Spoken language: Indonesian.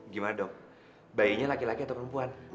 gimana dok bayinya laki laki atau perempuan